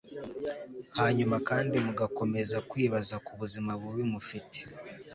Hanyuma kandi mugakomeza kwibaza ku buzima bubi mufite